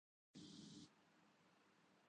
بھی تو کیوں؟